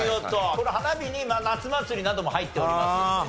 この花火に夏祭りなども入っておりますのでね